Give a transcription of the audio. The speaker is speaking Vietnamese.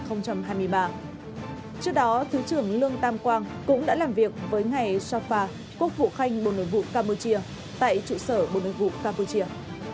trước đó thứ trưởng lương tam quang cũng đã làm việc với ngài sapa quốc vụ khanh bộ nội vụ campuchia tại trụ sở bộ nội vụ campuchia